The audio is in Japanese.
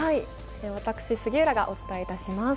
私、杉浦がお伝えいたします